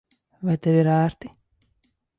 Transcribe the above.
Vai tev ir ērti?